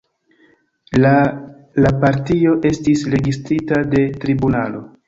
La la partio estis registrita de tribunalo.